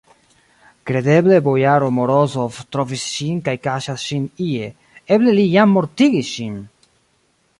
Kredeble, bojaro Morozov trovis ŝin kaj kaŝas ŝin ie, eble li jam mortigis ŝin!